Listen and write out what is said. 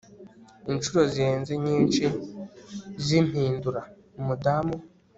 Inshuro zirenze nyinshi zimpindura umudamu